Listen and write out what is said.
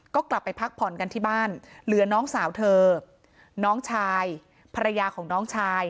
ก็กลับไปพักผ่อนกันที่บ้านเหลือน้องสาวเธอน้องชายภรรยาของน้องชาย